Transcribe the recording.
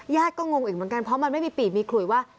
ญาติก็งงอีกเหมือนกันเพราะมันไม่มีปีกมีขลุยว่า